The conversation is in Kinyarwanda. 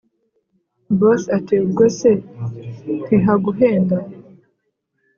boss ati”ubwo se ntihaguhenda”